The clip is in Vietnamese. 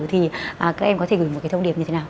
thì các em có thể gửi một cái thông điệp như thế nào